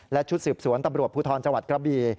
และชุดสืบสวนตำรวจภูทรจังหวัดกระบี